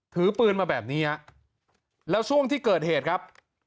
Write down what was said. ถือปืนมาแบบนี้ฮะแล้วช่วงที่เกิดเหตุครับ